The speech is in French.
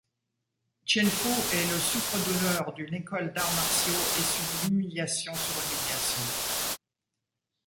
Chien Fu est le souffre-douleur d'une école d'arts martiaux et subit humiliations sur humiliations.